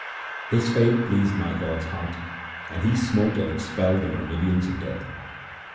1 His faith pleased my God's heart and He smote and expelled the myrmidons of Death.